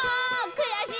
くやしい